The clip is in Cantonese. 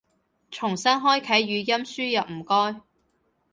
重新開啟語音輸入唔該